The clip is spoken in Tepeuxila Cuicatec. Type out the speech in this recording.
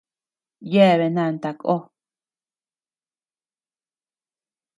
Yebea nanta kó.